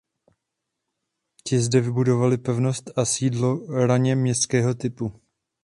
Ti zde vybudovali pevnost a sídlo raně městského typu.